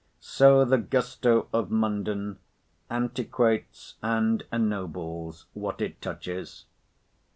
So the gusto of Munden antiquates and ennobles what it touches.